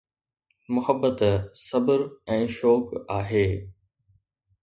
محبت صبر ۽ شوق آهي